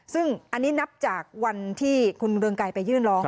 ซึ่งอันนี้นับจากวันที่คุณเรืองไกรไปยื่นร้อง